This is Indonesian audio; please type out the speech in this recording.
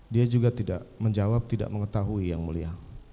dia juga tidak menjawab tidak mengetahui yang mulia